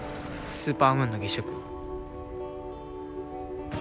スーパームーンの月食。